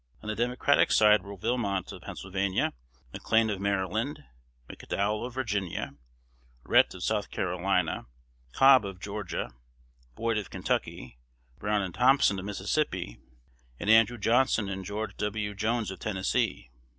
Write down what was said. On the Democratic side were Wilmot of Pennsylvania, McLane of Maryland, McDowell of Virginia, Rhett of South Carolina, Cobb of Georgia, Boyd of Kentucky, Brown and Thompson of Mississippi, and Andrew Johnson and George W. Jones of Tennessee.